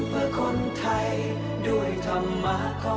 ท่านต้องโน้ท